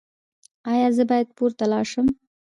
ایا زه باید پورته لاړ شم؟